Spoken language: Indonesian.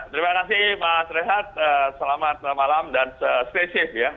terima kasih mas rehat selamat malam dan stay safe ya